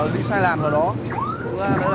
bị sai làn vào đó